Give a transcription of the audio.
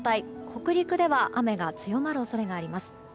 北陸では雨が強まる恐れがあります。